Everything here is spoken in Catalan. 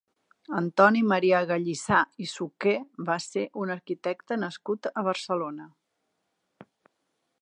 Antoni Maria Gallissà i Soqué va ser un arquitecte nascut a Barcelona.